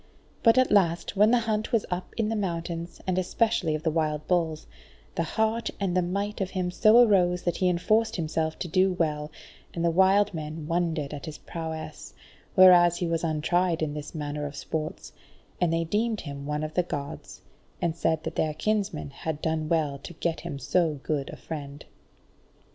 But at last when the hunt was up in the mountains, and especially of the wild bulls, the heart and the might in him so arose that he enforced himself to do well, and the wild men wondered at his prowess, whereas he was untried in this manner of sports, and they deemed him one of the Gods, and said that their kinsman had done well to get him so good a friend.